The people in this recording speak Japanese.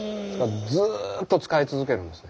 ずっと使い続けるんですね。